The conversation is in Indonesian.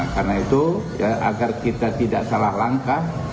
karena itu agar kita tidak salah langkah